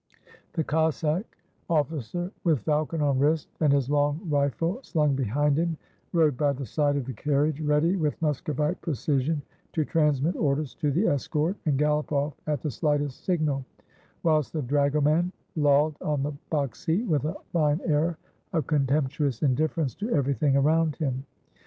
The Cossack officer, with falcon on wrist, and his long rifle slung behind him, rode by the side of the carriage, ready, with Muscovite precision, to transmit orders to the escort, and gallop off at the slightest signal; whilst the dragoman lolled on the box seat with a fine air of contemptuous indifference to everything around him.